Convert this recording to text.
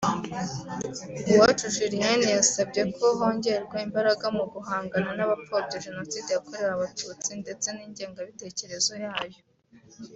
Uwacu Julienne yasabye ko hongerwa imbaraga mu guhangana n’abapfobya Jenoside yakorewe Abatutsi ndetse n’ingengabitekerezo yayo